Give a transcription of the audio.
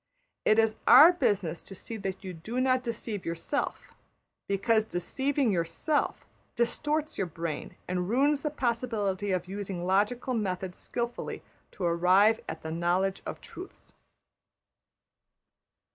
It \emph{is} our business to see that you do not deceive yourself, because deceiving \emph{yourself} distorts your brain and ruins the possibility of using logical methods skilfully to arrive at the knowledge of truths.